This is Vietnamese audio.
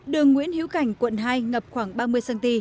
đường nguyễn hiếu cảnh quận hai ngập khoảng ba mươi cm